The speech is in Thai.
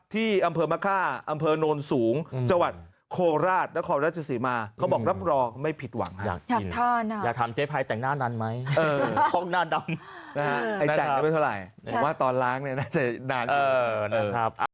อยู่ริมถนนโนนสูงขามสะแก่แสงบ้านพลจลกนะครับ